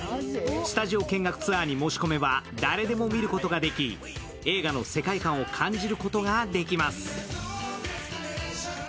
スタジオ見学ツアーに申し込めば誰でも見ることができ映画の世界観を感じることができます。